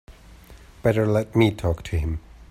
Better let me talk to him.